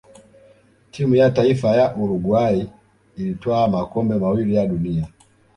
timu ya taifa ya uruguay ilitwaa makombe mawili ya duniani